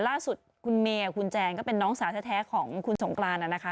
ล่าสุดคุณเมย์กับคุณแจนก็เป็นน้องสาวแท้ของคุณสงกรานนะคะ